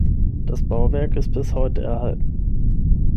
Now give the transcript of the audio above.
Das Bauwerk ist bis heute erhalten.